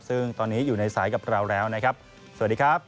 ซึ่งตอนนี้อยู่ในสายกับเราแล้วนะครับสวัสดีครับ